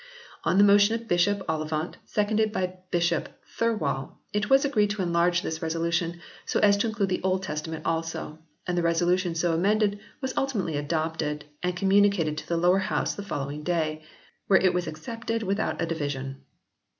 On the motion of Bishop Ollivant seconded by Bishop Thirlwall it was agreed to enlarge this resolution so as to include the Old Testament also, and the resolution so amended was ultimately adopted, and communicated to the Lower House the following day, where it was accepted with out a division.